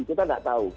kita nggak tahu